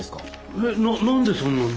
えっ何でそんなに。